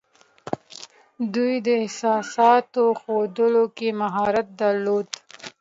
دوی د احساساتو ښودلو کې مهارت درلود